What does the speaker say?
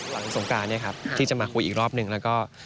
หลังสงการเนี่ยครับที่จะมาคุยอีกรอบหนึ่งแล้วก็